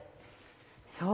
そう。